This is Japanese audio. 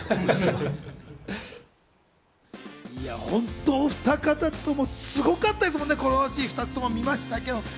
本当お二方ともすごかったですもんね、『孤狼の血』２つとも見ましたけど。